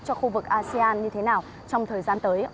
cho khu vực asean như thế nào trong thời gian tới